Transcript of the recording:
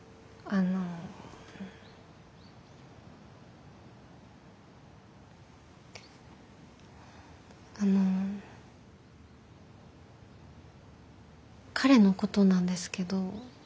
あの彼のことなんですけど。